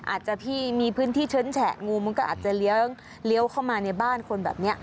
อาจจะพี่มีพื้นที่เชิ้นแฉะงูมันก็อาจจะเลี้ยวเข้ามาในบ้านคนแบบนี้